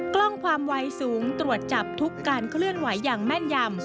กล้องความวัยสูงตรวจจับทุกการเคลื่อนไหวอย่างแม่นยำ